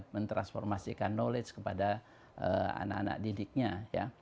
mentransformasikan knowledge kepada anak anak didiknya ya